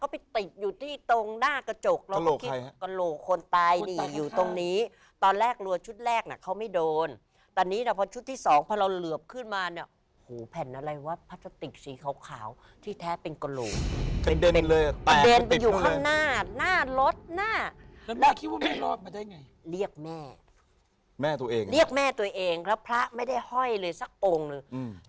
แม่ตัวเองนะครับเรียกแม่ตัวเองแล้วพระไม่ได้ห่อยเลยสักองค์เลย